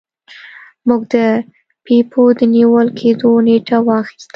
موږ د بیپو د نیول کیدو نیټه واخیسته.